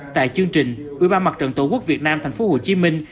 tại chương trình ủy ban mặt trận tổ quốc việt nam thành phố hồ chí minh